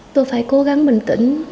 tôi phải cố gắng bình tĩnh